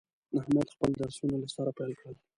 احمد خپل درسونه له سره پیل کړل.